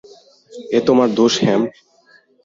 ঐ তোমার দোষ হেম!